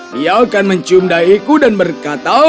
dia akan mencumdahiku dan berkatiku